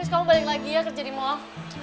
kamu balik lagi ya kerja di mall